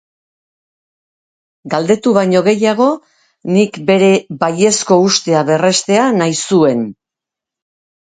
Galdetu baino gehiago, nik bere baiezko ustea berrestea nahi zuen.